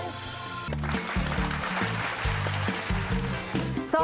กลับสบัตรข่าว